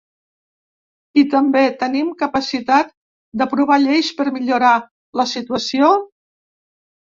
I també: Tenim capacitat d’aprovar lleis per millorar la situació?